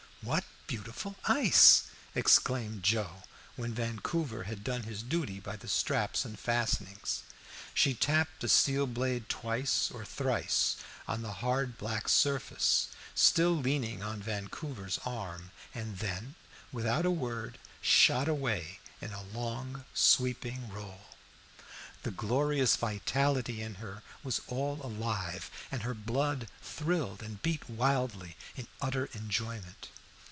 "What beautiful ice!" exclaimed Joe, when Vancouver had done his duty by the straps and fastenings. She tapped the steel blade twice or thrice on the hard black surface, still leaning on Vancouver's arm, and then, without a word of warning, shot away in a long sweeping roll. The glorious vitality in her was all alive, and her blood thrilled and beat wildly in utter enjoyment.